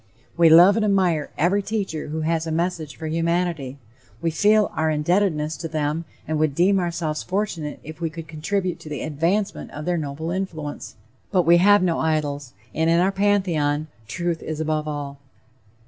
We love and admire every teacher who has a message for humanity; we feel our indebtedness to them and would deem ourselves fortunate if we could contribute to the advancement of their noble influence; but we have no idols, and in our pantheon, truth is above all.